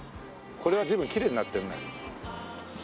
これは随分きれいになってるな。